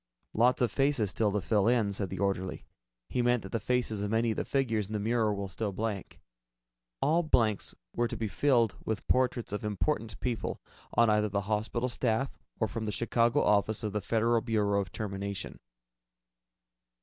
"Lot of faces still to fill in," said the orderly. He meant that the faces of many of the figures in the mural were still blank. All blanks were to be filled with portraits of important people on either the hospital staff or from the Chicago Office of the Federal Bureau of Termination.